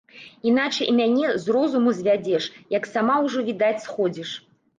Іначай і мяне з розуму звядзеш, як сама ўжо, відаць, сходзіш.